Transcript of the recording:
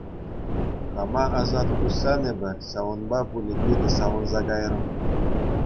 Хама асат хуҫсан эпӗ ҫавӑнпа пулӗ питӗ савӑнса кайрӑм.